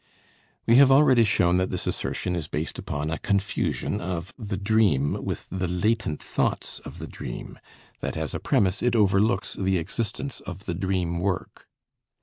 We have already shown that this assertion is based upon a confusion of the dream with the latent thoughts of the dream, that as a premise it overlooks the existence of the dream work.